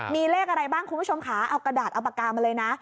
มีเลขอะไรบ้างคุณผู้ชมค่ะเอากระดาษเอาปากกามาเลยนะ